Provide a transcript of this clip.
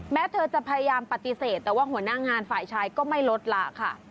แม้เธอจะพยายามปฏิเสธแต่ว่าหัวหน้างานฝ่ายชายก็ไม่ลดละค่ะ